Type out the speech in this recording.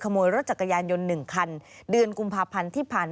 ขโมยรถจักรยานยนต์๑คัน